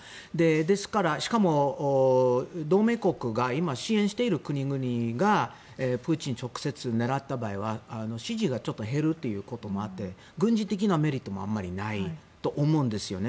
ですから、しかも同盟国が今、支援している国々がプーチン、直接狙った場合は支持がちょっと減るということもあって軍事的なメリットもあまりないと思うんですよね。